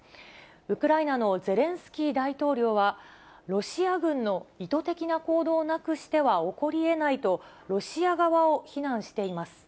ウクライナのゼレンスキー大統領は、ロシア軍の意図的な行動なくしては起こりえないと、ロシア側を非難しています。